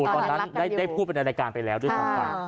ตอนนั้นได้พูดไปในรายการไปแล้วด้วยซ้ำไป